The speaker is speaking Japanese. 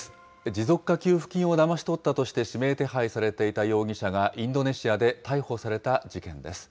持続化給付金をだまし取ったとして指名手配されていた容疑者が、インドネシアで逮捕された事件です。